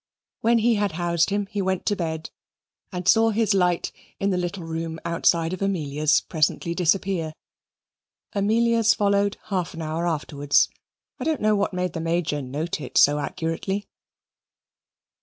When he had housed him, he went to bed and saw his light, in the little room outside of Amelia's, presently disappear. Amelia's followed half an hour afterwards. I don't know what made the Major note it so accurately.